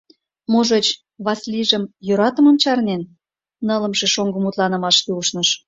— Можыч, Васлийжым йӧратымым чарнен? — нылымше шоҥго мутланымашке ушныш.